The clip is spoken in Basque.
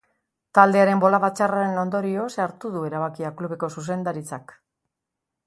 Taldearen bolada txarraren ondorioz hartu du erabakia klubeko zuzendaritzak.